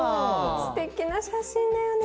すてきな写真だよね。